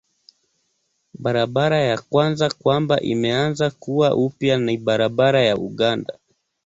Barabara ya kwanza kwamba imeanza kuwa upya ni barabara ya Uganda.